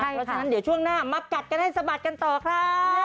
เพราะฉะนั้นเดี๋ยวช่วงหน้ามากัดกันให้สะบัดกันต่อครับ